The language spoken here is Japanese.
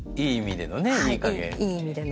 いい意味でのねいいかげん。